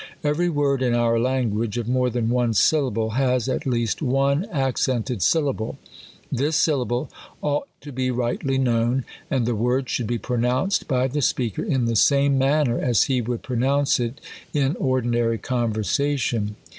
Every word in our language, of more than one syllable, has, at least, one accented syllable. This sylla ble ought to be rightly known, and the word should be pronounced by the speaker in the same manner as he would pronounce it in o^'dj^nary conversation.